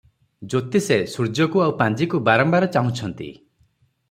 ଜ୍ୟୋତିଷେ ସୂର୍ଯ୍ୟକୁ ଆଉ ପାଞ୍ଜିକୁ ବାରମ୍ବାର ଚାହୁଁଛନ୍ତି ।